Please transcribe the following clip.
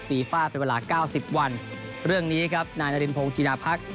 ฟ่าเป็นเวลาเก้าสิบวันเรื่องนี้ครับนายนารินพงศ์จินาพัก